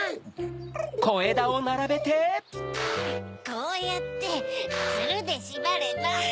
こうやってつるでしばれば。